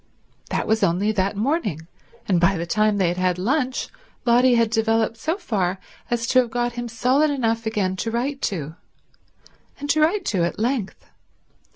That was only that morning; and by the time they had had lunch Lotty had developed so far as to have got him solid enough again to write to, and to write to at length.